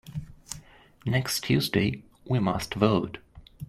Next Tuesday we must vote.